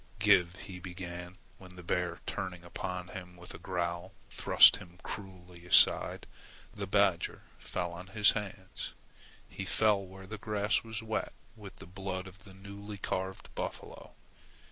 "Give " he began, when the bear turning upon him with a growl, thrust him cruelly aside. The badger fell on his hands. He fell where the grass was wet with the blood of the newly carved buffalo.